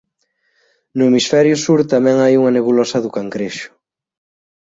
No hemisferio sur tamén hai unha Nebulosa do Cangrexo.